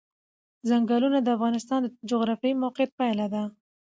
ځنګلونه د افغانستان د جغرافیایي موقیعت پایله ده.